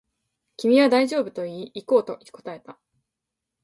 君は大丈夫と言い、行こうと答えた